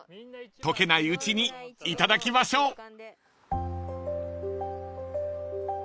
［溶けないうちにいただきましょう］